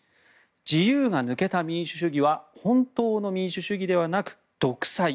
自由が抜けた民主主義は本当の民主主義ではなく独裁。